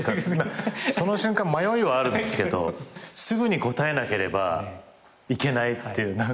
その瞬間迷いはあるんですけどすぐに答えなければいけないっていう何か。